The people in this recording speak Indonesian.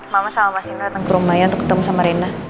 mama sama mas nilau ke rumah ya untuk ketemu sama rena